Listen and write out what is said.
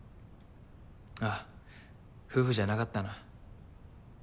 あっ夫婦じゃなかったな。